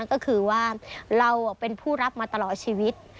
ก็คือว่าเราเป็นผู้รับมาตลอดชีวิต